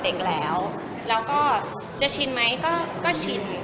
เด็กแล้วแล้วก็จะชินไหมก็ชิน